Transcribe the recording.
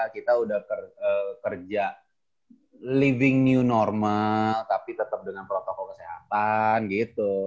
kita udah kerja living new normal tapi tetap dengan protokol kesehatan gitu